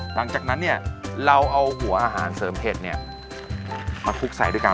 หลังจากนั้นเนี่ยเราเอาหัวอาหารเสริมเผ็ดมาคลุกใส่ด้วยกัน